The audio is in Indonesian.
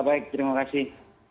baik terima kasih